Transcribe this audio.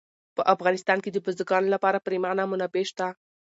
په افغانستان کې د بزګانو لپاره پریمانه منابع شته دي.